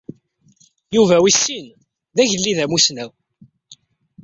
Yuba wis sin d agellid amussnaw.